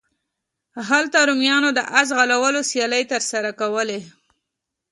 هلته رومیانو د اس ځغلولو سیالۍ ترسره کولې.